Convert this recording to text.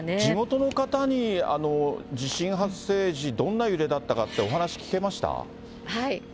地元の方に地震発生時、どんな揺れだったかって、お話聞けました？